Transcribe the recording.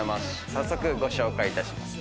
早速ご紹介いたします。